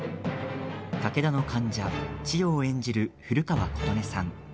武田の間者千代を演じる古川琴音さん。